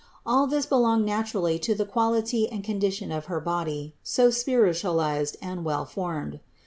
All this belonged naturally to the quality and condition of her body, so spiritualized and well formed.